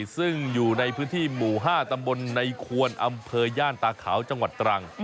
ซึ่งอยู่ในพื้นที่หมู่๕ตำบลในควรอำเภอย่านตาขาวจังหวัดตรัง